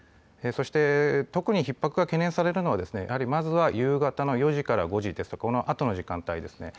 そして特にひっ迫が懸念されるのはまずは夕方の４時から５時、このあとの時間帯です。